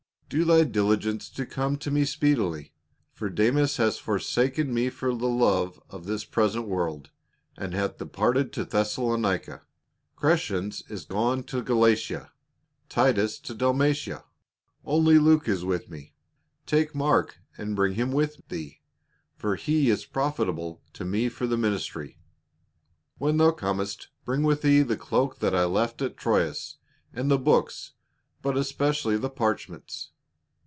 " Do thy diligence to come to me speedily ; for Demas hath forsaken me for love of this present world, and hath departed to Thessalonica ; Crescens is gone to Galatia, Titus to Dalmatia. Only Luke is with me. Take Mark and bring him with thee, for he is profitable to me for the ministry. "When thou Comest, bring with thee the cloak that I left at Troas, and the books, but especially the parch ments.